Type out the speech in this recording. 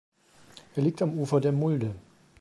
Er liegt am Ufer der Mulde.